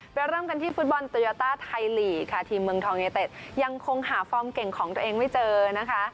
เริ่มกันที่ฟุตบอลโตยาต้าไทยลีกค่ะทีมเมืองทองยูเต็ดยังคงหาฟอร์มเก่งของตัวเองไม่เจอนะคะ